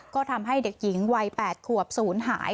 ก็ทำให้เด็กหญิงวัย๘ขวบศูนย์หาย